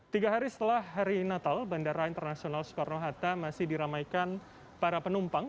tiga hari setelah hari natal bandara internasional soekarno hatta masih diramaikan para penumpang